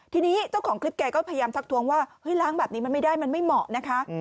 ทีนี้เจ้าของคลิปแกก็พยายามทักทวงว่าเฮ้ยล้างแบบนี้มันไม่ได้มันไม่เหมาะนะคะ